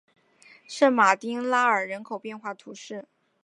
圣马丁拉尔人口变化图示